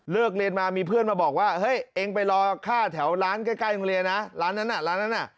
เรียนมามีเพื่อนมาบอกว่าเฮ้ยเองไปรอค่าแถวร้านใกล้โรงเรียนนะร้านนั้นน่ะร้านนั้นน่ะ